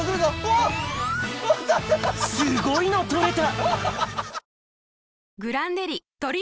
すごいの撮れた！